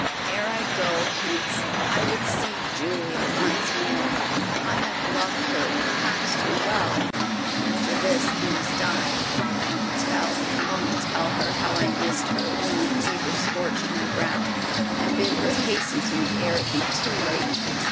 Ere I go hence I would see Julia once more. I have loved her perhaps too well, and for this I must die. Tell, oh tell her, how I missed her when the fever scorched my brow, and bid her hasten to me ere it be too late!